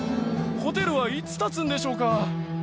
ホテルはいつ建つんでしょうか。